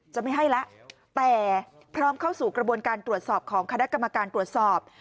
จะไม่ให้แล้วแต่พร้อมเข้าสู่กระบวนการตรวจสอบของคณะกรรมการตรวจสอบ